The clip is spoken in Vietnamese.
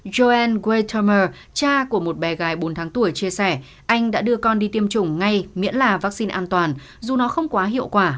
joel we tomer cha của một bé gái bốn tháng tuổi chia sẻ anh đã đưa con đi tiêm chủng ngay miễn là vaccine an toàn dù nó không quá hiệu quả